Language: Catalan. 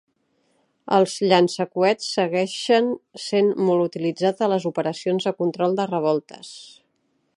Els llançacoets segueixen sent molt utilitzats a les operacions de control de revoltes.